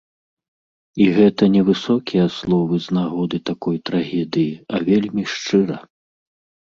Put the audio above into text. І гэта не высокія словы з нагоды такой трагедыі, а вельмі шчыра.